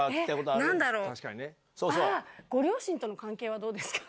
ああ、ご両親との関係はどうですか？